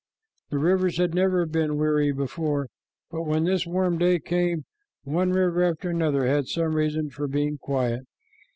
The rivers had never been weary before, but when this warm day came, one river after another had some reason for being quiet.